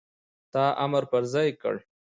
تا امر پر ځای کړ،